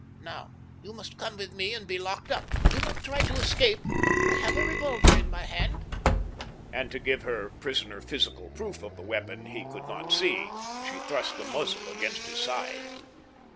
Now you must come with me and be locked up. Do not try to escape—I have a revolver in my hand," and to give her prisoner physical proof of the weapon he could not see she thrust the muzzle against his side.